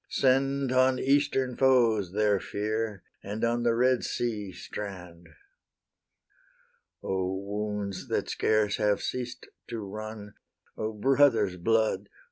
Send on Eastern foes Their fear, and on the Red Sea strand! O wounds that scarce have ceased to run! O brother's blood!